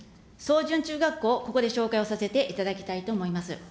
じゅん中学校をここで紹介をさせていただきたいと思います。